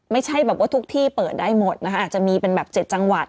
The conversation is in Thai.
ไม่ใช่แบบว่าทุกที่เปิดได้หมดนะคะอาจจะมีเป็นแบบ๗จังหวัด